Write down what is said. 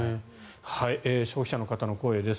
消費者の方の声です。